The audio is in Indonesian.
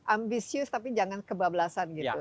ambisius tapi jangan kebablasan gitu